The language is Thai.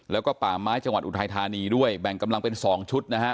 แล้วก็ป่าไม้จังหวัดอุทัยธานีด้วยแบ่งกำลังเป็น๒ชุดนะฮะ